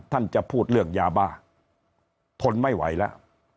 จะพูดเรื่องยาบ้าทนไม่ไหวแล้ว